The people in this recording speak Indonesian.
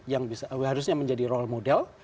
yang harusnya menjadi role model